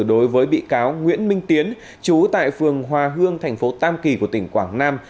đối với bị cáo nguyễn minh tiến trú tại phường hòa hương tp tam kỳ của tỉnh quảng nam